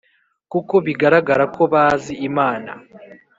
kuko bigaragara ko bazi Imana